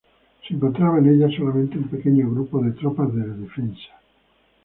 Se encontraba en ella solamente un pequeño grupo de tropas de defensa.